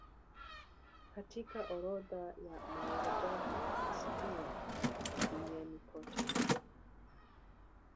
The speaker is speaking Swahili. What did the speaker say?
Katika orodha ya maajabu asilia duniani kote